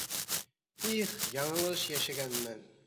Их, яңылыш йәшәгәнмен!